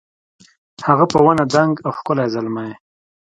هغه په ونه دنګ او ښکلی زلمی